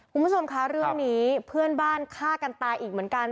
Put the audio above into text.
คุณผู้ชมคะเรื่องนี้เพื่อนบ้านฆ่ากันตายอีกเหมือนกัน